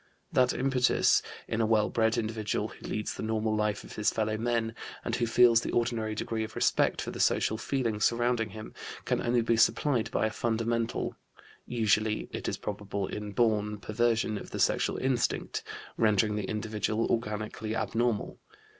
That impetus, in a well bred individual who leads the normal life of his fellow men and who feels the ordinary degree of respect for the social feeling surrounding him, can only be supplied by a fundamental usually, it is probable, inborn perversion of the sexual instinct, rendering the individual organically abnormal.